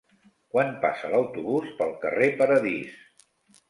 Quan passa l'autobús pel carrer Paradís?